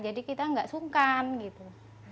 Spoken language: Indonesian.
jadi kita nggak sungkan gitu